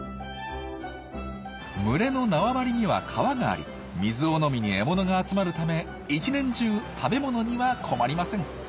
群れの縄張りには川があり水を飲みに獲物が集まるため一年中食べ物には困りません。